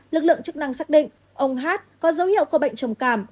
lực lượng chức năng xác định ông hát có dấu hiệu có bệnh trồng càm